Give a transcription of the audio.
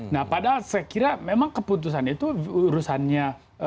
nah padahal saya kira memang keputusan itu urusannya